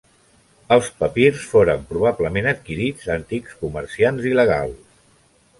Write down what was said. Els papirs foren probablement adquirits a antics comerciants il·legals.